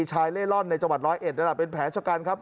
ชายเล่อร่อนในจังหวัด๑๐๑เป็นแผลชะกันครับ